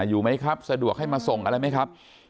อยู่มั้ยครับสะดวกให้มาส่งอะไรมั้ยครับ